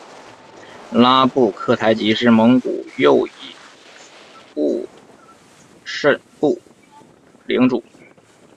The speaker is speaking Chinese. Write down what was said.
拉布克台吉是蒙古右翼兀慎部领主。